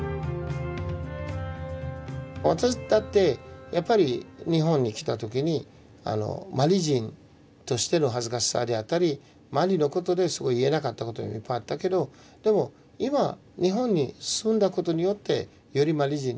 私だってやっぱり日本に来た時にマリ人としての恥ずかしさであったりマリのことですごい言えなかったことがいっぱいあったけどでも今日本に住んだことによってよりマリ人によりマリ化していった。